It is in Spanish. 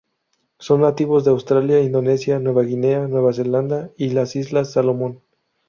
Son nativos de Australia, Indonesia, Nueva Guinea, Nueva Zelanda y las Islas Salomón.